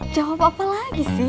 jawab apa lagi sih